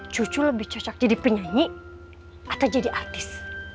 cucu lebih cocok jadi penyanyi atau jadi artis